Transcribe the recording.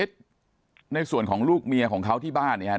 ในส่วนของลูกเมียของเขาที่บ้านเนี่ยฮะ